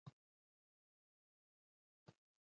احمد په هر څه پوره او ښکلی سړی دی.